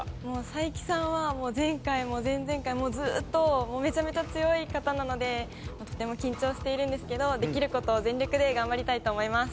才木さんは前回も前々回もずーっともうめちゃめちゃ強い方なのでとても緊張しているんですけどできる事を全力で頑張りたいと思います。